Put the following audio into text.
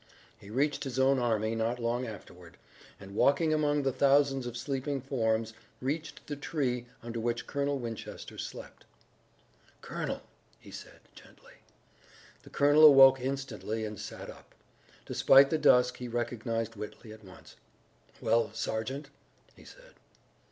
He reached his own army not long afterward, and, walking among the thousands of sleeping forms, reached the tree under which Colonel Winchester slept. "Colonel," he said gently. The colonel awoke instantly and sat up. Despite the dusk he recognized Whitley at once. "Well, sergeant?" he said.